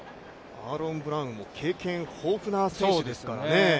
アーロン・ブラウンも経験豊富な選手ですからね。